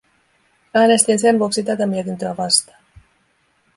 Äänestin sen vuoksi tätä mietintöä vastaan.